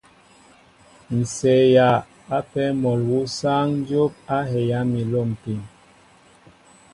Ǹ seeya ápē mol awu sááŋ dyóp a heyá mi a lômpin.